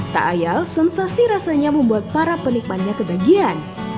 tak ayal sensasi rasanya membuat para penikmannya kedagian